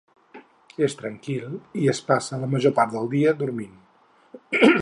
És tranquil i es passa la major part del dia dormint.